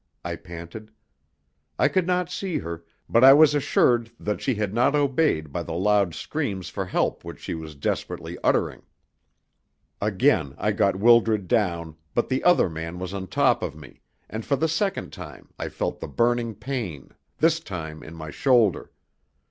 I panted. I could not see her, but I was assured that she had not obeyed by the loud screams for help which she was desperately uttering. Again I got Wildred down, but the other man was on top of me, and for the second time I felt the burning pain, this time in my shoulder.